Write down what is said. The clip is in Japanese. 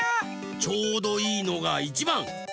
ちょうどいいのがいちばん。